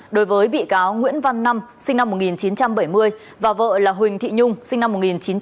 đối với bị cáo nguyễn văn năm sinh năm một nghìn chín trăm bảy mươi và vợ là huỳnh thị nhung sinh năm một nghìn chín trăm tám mươi